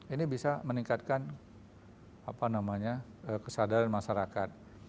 ini bisa meningkatkan kesadaran masyarakat